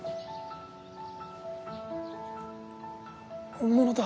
本物だ。